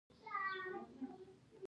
هر شاعر چاربیتې ته نه وي جوړسوی.